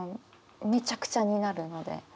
めちゃくちゃになるので。